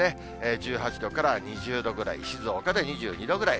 １８度から２０度ぐらい、静岡で２２度ぐらい。